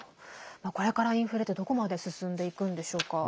これからインフレってどこまで進んでいくんでしょうか。